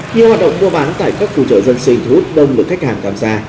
nhiều hoạt động mua bán tại các khu chợ dân sinh thuốc đông lượng khách hàng tạm gia